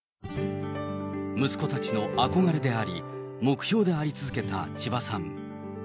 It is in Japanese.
息子たちの憧れであり、目標であり続けた千葉さん。